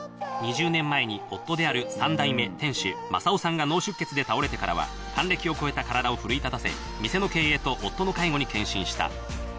２０年前に夫である３代目店主、政雄さんが脳出血で倒れてからは、還暦を超えた体を奮い立たせ、店の経営と夫の介護に献身した。